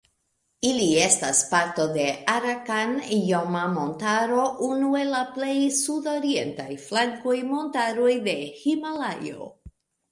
Ili estas parto de Arakan-Joma-Montaro, unu el la plej sudorientaj flankaj montaroj de Himalajo.